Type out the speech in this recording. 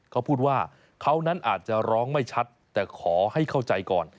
เขาพูดว่าเขานั้นอาจจะร้องไม่ชัดแต่ขอให้เข้าใจก่อน